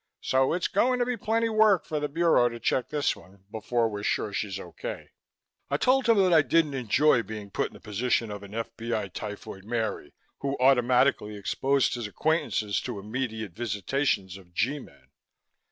So it's going to be plenty work for the Bureau to check this one, before we're sure she's okay." I told him that I didn't enjoy being put in the position of an F.B.I. Typhoid Mary, who automatically exposed his acquaintances to immediate visitations of G men.